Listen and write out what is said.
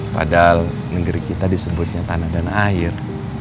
padahal negeri kita disebutnya tanah dan air